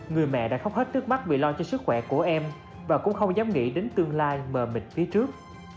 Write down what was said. người mẹ đã khóc hết trước mắt vì lo cho sức khỏe của em và cũng không dám nghĩ đến tương lai mờ mịt phía trước